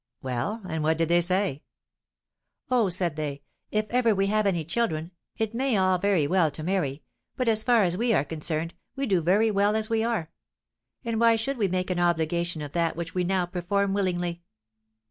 "Well, and what did they say?" "'Oh,' said they, 'if ever we have any children, it may be all very well to marry, but as far as we are concerned, we do very well as we are. And why should we make an obligation of that which we now perform willingly?